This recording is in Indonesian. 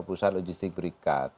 pusat logistik berikat